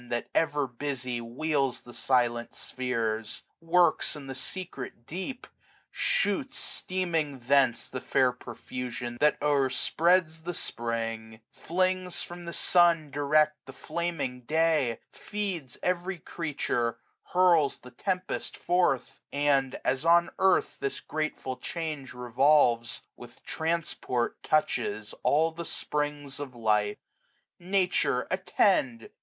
That, ever busy, wheels the silent spheres; 30 Works in the secret deep ; shoots, steaming, thence The fair profusion that overspreads the Spring : Flings from the sun direct the flaming day; Feeds every creature; hurls the tempest forth; And, as on earth this grateful change revolves, 35 With transport touches all the springs of life. Nature, attend!